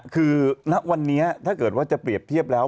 คือณวันนี้ถ้าเกิดว่าจะเปรียบเทียบแล้ว